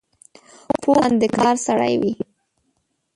پوخ تن د کار سړی وي